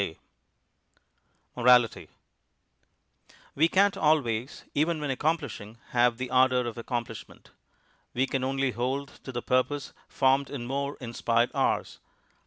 _ MORALITY We can't always, even when accomplishing, have the ardor of accomplishment; we can only hold to the purpose formed in more inspired hours.